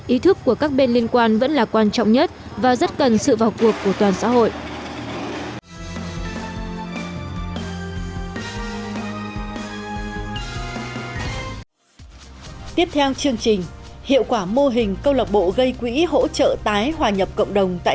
ý thức của các bên liên quan vẫn là quan trọng nhất và rất cần sự vào cuộc của toàn xã hội